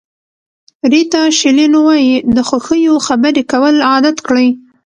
ریتا شیلینو وایي د خوښیو خبرې کول عادت کړئ.